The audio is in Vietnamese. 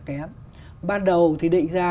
kém ban đầu thì định ra